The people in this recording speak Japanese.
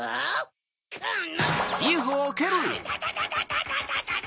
アタタタタ！